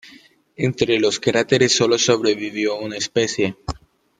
Entre los cráteres sólo sobrevivió una especie.